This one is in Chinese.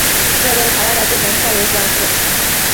这跟台湾的金门颇为相似。